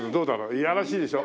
いやらしいでしょ？